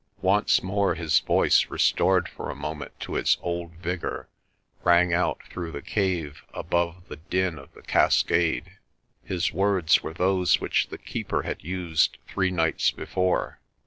Once more his voice, restored for a moment to its old vigour, rang out through the cave above the din of the cas cade. His words were those which the Keeper had used three nights before.